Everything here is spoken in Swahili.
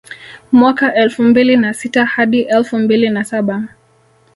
Mwaka elfu mbili na sita hadi elfu mbili na saba